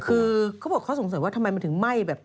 คือเขาบอกเขาสงสัยว่าทำไมมันถึงไหม้แบบ